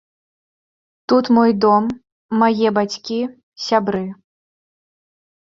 Тут мой дом, мае бацькі, сябры.